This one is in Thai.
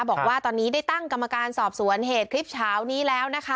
บอกว่าตอนนี้ได้ตั้งกรรมการสอบสวนเหตุคลิปเช้านี้แล้วนะคะ